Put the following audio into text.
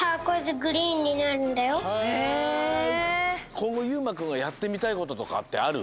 こんごゆうまくんがやってみたいこととかってある？